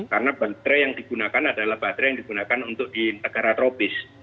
karena baterai yang digunakan adalah baterai yang digunakan untuk di negara tropis